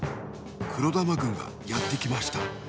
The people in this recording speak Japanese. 黒玉軍がやってきました。